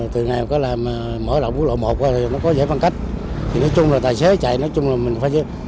từ ngày mở rộng quốc lộ một a qua thì có giải phân cách nói chung là tài xế chạy nói chung là mình phải chạy